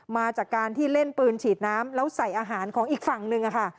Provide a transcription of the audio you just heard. มาจากการที่เล่นปืนฉีดน้ำแล้วใส่อาหารของอีกฝั่งหนึ่งค่ะ